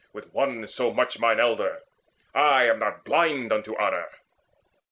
With one so much mine elder: I am not Blind unto honour.